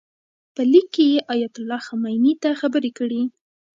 په لیک کې یې ایتالله خمیني ته خبرې کړي.